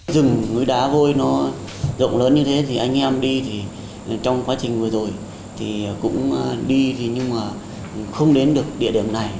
rừng núi đá vôi nó rộng lớn như thế thì anh em đi thì trong quá trình vừa rồi thì cũng đi thì nhưng mà không đến được địa điểm này